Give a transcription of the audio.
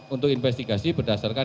untuk investigasi berdasarkan